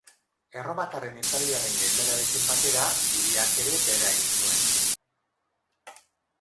Erromatarren inperioaren gainbeherarekin batera hiriak ere behera egin zuen.